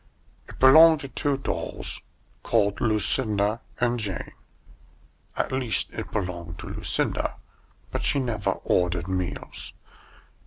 It belonged to two Dolls called Lucinda and Jane; at least it belonged to Lucinda, but she never ordered meals.